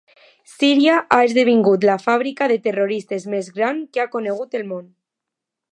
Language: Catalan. Síria ha esdevingut la fàbrica de terroristes més gran que ha conegut el món.